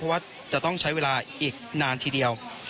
เพราะว่าจะต้องใช้เวลาอีกนานทีเดียว